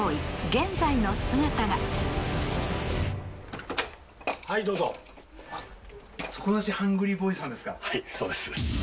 現在の姿がはいどうぞはいそうです